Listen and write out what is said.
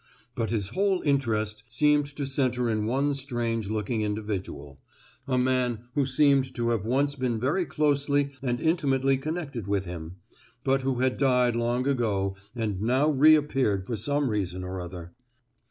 But his whole interest seemed to centre in one strange looking individual,—a man who seemed to have once been very closely and intimately connected with him, but who had died long ago and now reappeared for some reason or other.